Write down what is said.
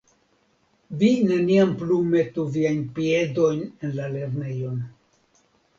Vi neniam plu metu viajn piedojn en la lernejon!